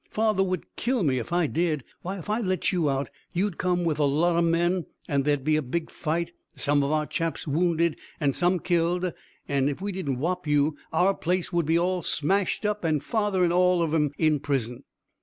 "Father would kill me if I did. Why, if I let you out, you'd come with a lot o' men, and there'd be a big fight, and some of our chaps wounded and some killed, and if we didn't whop you, our place would be all smashed up, and father and all of 'em in prison."